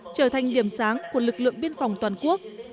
trở thành điểm sáng của lực lượng biên phòng toàn quốc